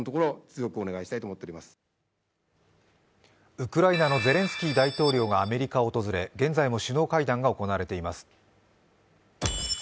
ウクライナのゼレンスキー大統領がアメリカを訪れ、現在も首脳会談が行われています。